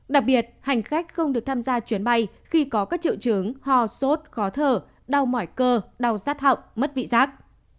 đặc biệt hành khách không được tham gia chuyến bay khi có các triệu chứng ho sốt khó thở đau mỏi cơ đau sát họng mất vị giác